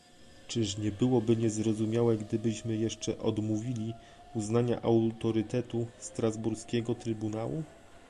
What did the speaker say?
Czyż nie byłoby niezrozumiałe gdybyśmy jednocześnie odmówili uznania autorytetu strasburskiego trybunału?